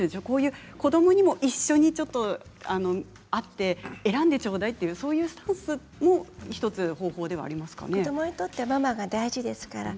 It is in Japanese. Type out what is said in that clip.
こういう子どもにも一緒に会って選んでちょうだいというスタンスも子どもにとってはママが大事です。